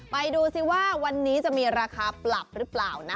ไปดูซิว่าวันนี้จะมีราคาปรับหรือเปล่านะ